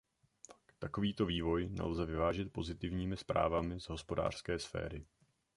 Takovýto vývoj nelze vyvážit pozitivními zprávami z hospodářské sféry.